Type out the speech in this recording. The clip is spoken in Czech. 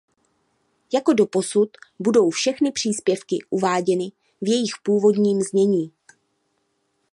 Jako doposud budou všechny příspěvky uváděny v jejich původním znění.